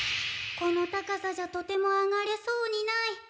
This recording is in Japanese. この高さじゃとても上がれそうにない。